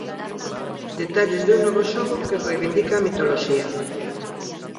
Detalles dun novo xogo que reivindica a mitoloxía.